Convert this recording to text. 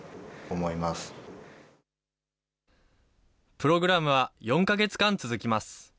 プログラムは４か月間続きます。